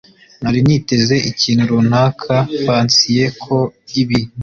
Nari niteze ikintu runaka fancier ko ibi